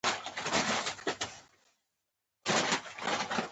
دا ښيي چې څنګه ناهمغږي رامنځته کیږي.